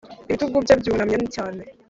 ibitugu bye byunamye cyane